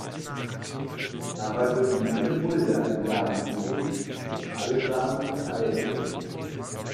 Dabei wird in jede Mulde ein Samen gelegt, bis alle Samen verteilt sind.